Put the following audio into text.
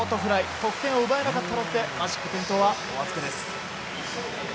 得点を奪えなかったロッテマジック点灯はお預けです。